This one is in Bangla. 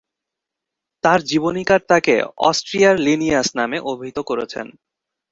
তার জীবনীকার তাকে "অস্ট্রিয়ার লিনিয়াস" নামে অভিহিত করেছেন।